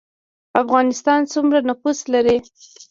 افغانستان سومره نفوس لري